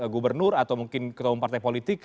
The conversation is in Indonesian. gubernur atau mungkin ketemu partai politik